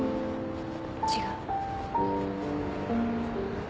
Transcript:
違う？